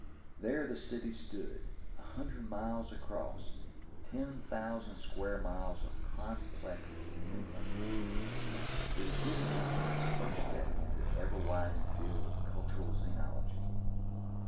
There the city stood a hundred miles across, ten thousand square miles of complex enigma. It had given Man his first step into the ever widening field of Cultural Xenology.